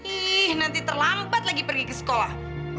ih nanti terlambat lagi pergi ke sekolah